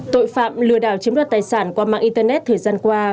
tội phạm lừa đảo chiếm đoạt tài sản qua mạng internet thời gian qua